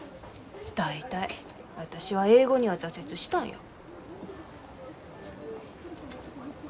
大体私は英語には挫折したんや。